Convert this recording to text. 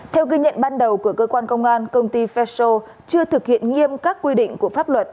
theo ghi nhận ban đầu của cơ quan công an công ty feso chưa thực hiện nghiêm các quy định của pháp luật